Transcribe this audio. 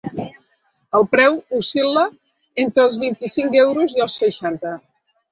El preu oscil·la entre els vint-i-cinc euros i els seixanta.